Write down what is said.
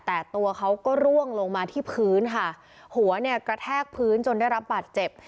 แต่ตัวเขาก็ร่วงลงมาที่พื้นค่ะหัวเนี่ยกระแทกพื้นจนได้รับบาดเจ็บ